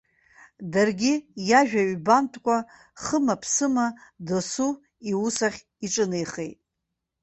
Даргьы иажәа ҩбамтәкәа хымаԥсыма дасу иусахь иҿынеихеит.